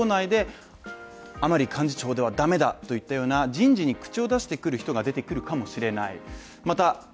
例えば党内で甘利幹事長では駄目だといったような人事に口を出してくる人が出てくるかもしれない。